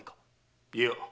いや。